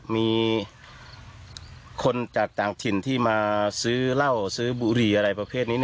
มีคนจากต่างถิ่นที่มาซื้อเหล้าซื้อบุหรี่อะไรประเภทนี้